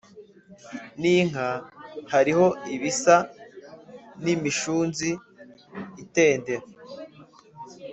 n inka hariho ibisa n imishunzi itendera